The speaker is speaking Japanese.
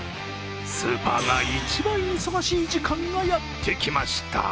スーパーが一番忙しい時間がやってきました。